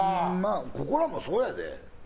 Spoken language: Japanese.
ここらもそうやで！